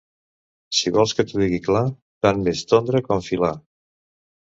Si vols que t'ho digui clar, tant m'és tondre com filar.